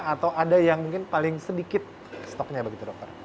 atau ada yang mungkin paling sedikit stoknya begitu dokter